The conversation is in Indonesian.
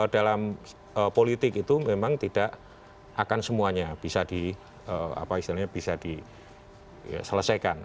dalam politik itu memang tidak akan semuanya bisa di apa istilahnya bisa diselesaikan